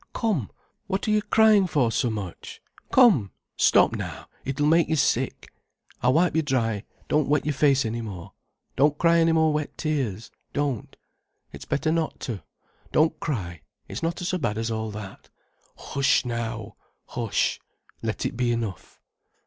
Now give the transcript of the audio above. Come, what are you crying for so much? Come, stop now, it'll make you sick. I wipe you dry, don't wet your face any more. Don't cry any more wet tears, don't, it's better not to. Don't cry—it's not so bad as all that. Hush now, hush—let it be enough."